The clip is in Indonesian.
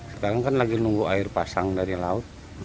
sekarang kan lagi nunggu air pasang dari laut